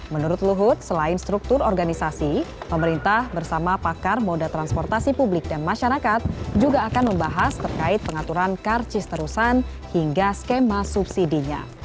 menurut luhut selain struktur organisasi pemerintah bersama pakar moda transportasi publik dan masyarakat juga akan membahas terkait pengaturan karcis terusan hingga skema subsidinya